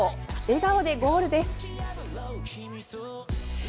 笑顔でゴールです。